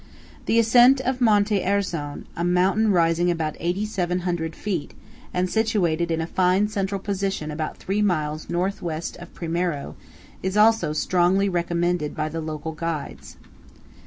The ascent of Monte Arzon, a mountain rising about 8,700 feet, and situated in a fine central position about three miles N.W. of Primiero, is also strongly recommended by the local guides.